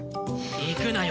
行くなよ。